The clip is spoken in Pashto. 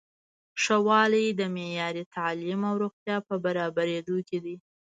ښه والی د معیاري تعلیم او روغتیا په برابریدو کې دی.